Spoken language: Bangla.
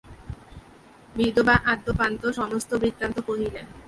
বিধবা আদ্যোপান্ত সমস্ত বৃত্তান্ত কহিলেন।